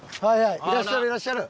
いらっしゃるいらっしゃる。